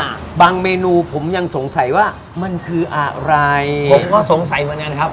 บางเมนูผมยังสงสัยว่ามันคืออะไรผมก็สงสัยเหมือนกันครับ